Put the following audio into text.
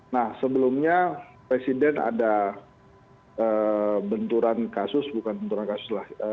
nah sebelumnya presiden ada benturan kasus bukan benturan kasus lah